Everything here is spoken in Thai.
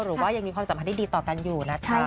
หรือว่ายังมีความสัมพันธ์ที่ดีต่อกันอยู่นะจ๊ะ